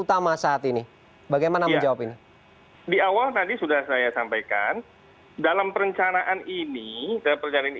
penting bagaimana menjawab ini di awal tadi sudah saya sampaikan dalam perencanaan ini dan perjalanan